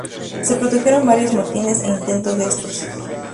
Se produjeron varios motines e intentos de estos.